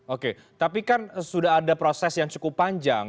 oke tapi kan sudah ada proses yang cukup panjang